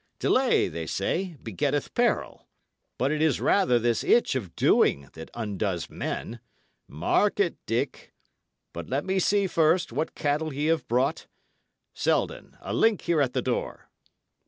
Delay, they say, begetteth peril; but it is rather this itch of doing that undoes men; mark it, Dick. But let me see, first, what cattle ye have brought. Selden, a link here at the door!"